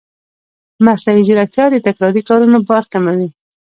مصنوعي ځیرکتیا د تکراري کارونو بار کموي.